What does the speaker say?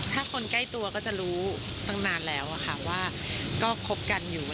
ถ้าคนใกล้ตัวก็จะรู้ตั้งนานแล้วค่ะว่าก็คบกันอยู่